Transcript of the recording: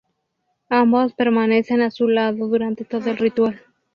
Ambos permanecen a su lado durante todo el ritual.